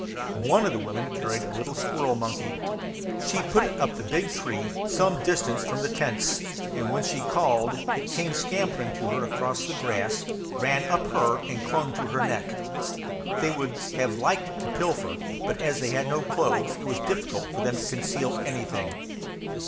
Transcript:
One of the women carried a little squirrel monkey. She put it up the big tree some distance from the tents; and when she called, it came scampering to her across the grass, ran up her, and clung to her neck. They would have liked to pilfer; but as they had no clothes it was difficult for them to conceal anything.